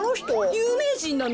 ゆうめいじんなの？